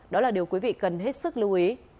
đó là điều quý vị cần hết sức lưu ý